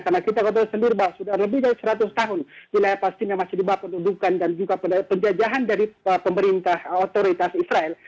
karena kita sudah lebih dari seratus tahun di wilayah palestina masih dibawa penundukan dan juga penjajahan dari pemerintah otoritas israel